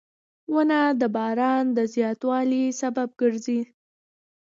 • ونه د باران د زیاتوالي سبب ګرځي.